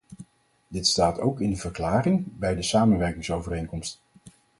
Dit staat ook in de verklaring bij de samenwerkingsovereenkomst.